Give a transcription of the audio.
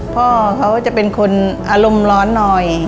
พ่อเขาจะเป็นคนอารมณ์ร้อนหน่อย